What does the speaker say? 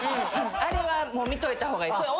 あれは見といた方がいい。